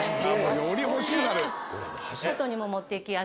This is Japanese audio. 「より欲しくなる」